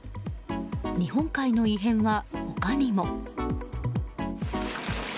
日本海の異変は他にも。